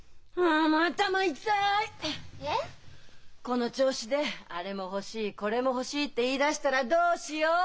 この調子で「あれも欲しいこれも欲しい」って言いだしたらどうしよう！